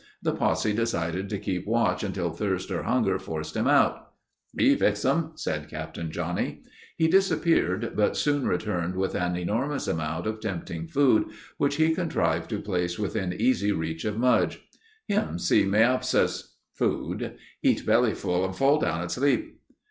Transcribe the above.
The posse decided to keep watch until thirst or hunger forced him out. "Me fix um," said Captain Johnnie. He disappeared, but soon returned with an enormous amount of tempting food which he contrived to place within easy reach of Mudge. "Him see moppyass (food). Eat bellyful and fall down asleep."